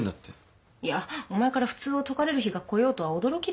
いやお前から普通を説かれる日がこようとは驚きだよ。